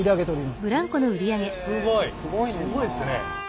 すごいっすね。